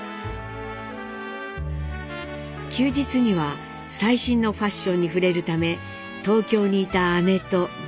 休日には最新のファッションに触れるため東京にいた姉と銀座の洋服店を巡ります。